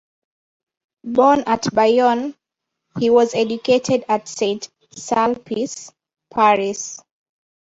Born at Bayonne, he was educated at Saint Sulpice, Paris.